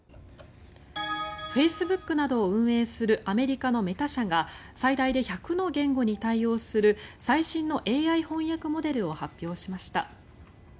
フェイスブックなど運営するアメリカのメタ社が最大で１００の言語に対応する最新のＡＩ翻訳モデルを発表しました。